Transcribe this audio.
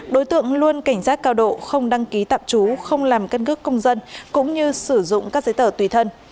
đối tượng luôn cảnh giác cao độ không đăng ký tạm trú không làm căn cước công dân cũng như sử dụng các giấy tờ tùy thân